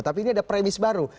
tapi ini ada premis baru